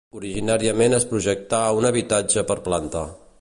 Originàriament es projectà un habitatge per planta.